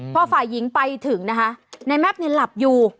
พอฝ่ายหญิงไปถึงนะคะนายแม็ปเนี่ยหลับอยู่